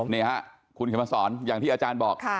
นี่ค่ะคุณเขียนมาสอนอย่างที่อาจารย์บอก